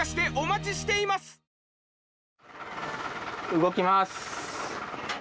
動きます。